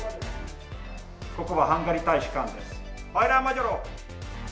ここはハンガリー大使館です。